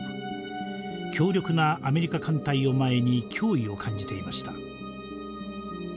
強力なアメリカ艦隊を前に脅威を感じていました。